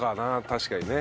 確かにね。